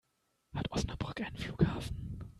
Hat Osnabrück einen Flughafen?